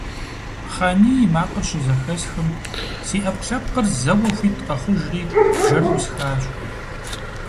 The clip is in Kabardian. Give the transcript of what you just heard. Хъаний и макъыр щызэхэсхым, си Ӏэпкълъэпкъыр зэуэ хуит къэхъужри бжэр Ӏусхащ.